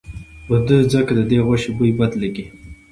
په ده ځکه ددې غوښې بوی بد لګي.